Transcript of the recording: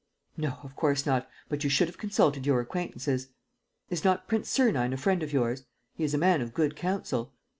..." "No, of course not; but you should have consulted your acquaintances. Is not Prince Sernine a friend of yours? He is a man of good counsel."